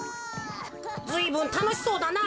ずいぶんたのしそうだな。